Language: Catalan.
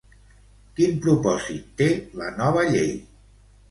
Quin propòsit té la nova llei?